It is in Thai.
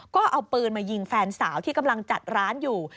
ก็เอาปืนมายิงแฟนสาวที่กำลังจัดร้านอยู่